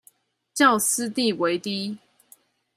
較私地為低